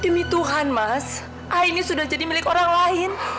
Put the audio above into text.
demi tuhan mas aini sudah jadi milik orang lain